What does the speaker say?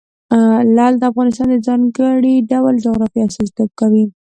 لعل د افغانستان د ځانګړي ډول جغرافیه استازیتوب کوي.